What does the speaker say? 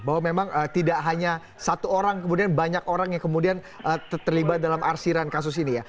bahwa memang tidak hanya satu orang kemudian banyak orang yang kemudian terlibat dalam arsiran kasus ini ya